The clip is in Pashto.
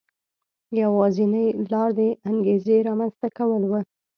یوازینۍ لار د انګېزې رامنځته کول و.